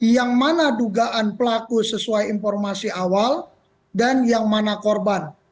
yang mana dugaan pelaku sesuai informasi awal dan yang mana korban